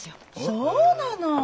そうなの。